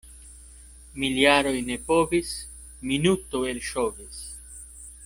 Miljaroj ne povis — minuto elŝovis.